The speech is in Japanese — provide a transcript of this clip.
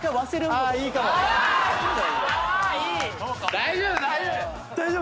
大丈夫大丈夫！